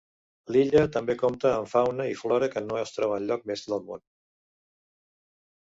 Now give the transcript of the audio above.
L'illa també compta amb fauna i flora que no es troba enlloc més del món.